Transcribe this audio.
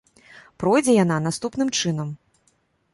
Пройдзе яна наступным чынам.